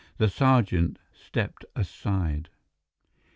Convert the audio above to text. The sergeant stepped aside.